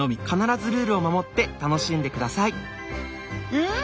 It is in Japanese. うん！